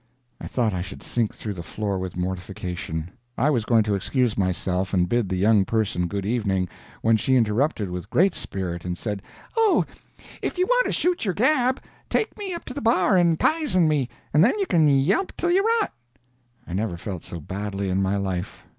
I thought I should sink through the floor with mortification. I was going to excuse myself and bid the young person good evening, when she interrupted with great spirit, and said: "Oh, if you want to shoot your gab, take me up to the bar, and pizen me, and then you can yelp till you rot." I never felt so badly in my life.